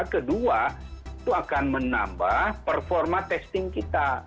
kedua itu akan menambah performa testing kita